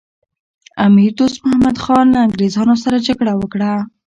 امیر دوست محمد خان له انګریزانو سره جګړه وکړه.